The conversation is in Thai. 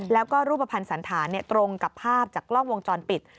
แล้วก็รูปภัณฑ์สันธารตรงกับภาพจากกล้องวงจรปิด